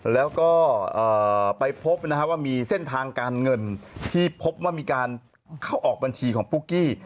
แล้วก็ไปพบว่ามีเส้นทางการเงินที่พบว่ามีการเข้าออกบัญชีของปุ๊กกี้